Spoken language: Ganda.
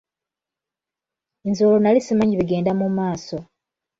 Nze olwo nali simanyi bigenda mu maaso.